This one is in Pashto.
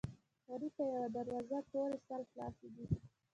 غریب ته یوه دروازه پورې سل خلاصې دي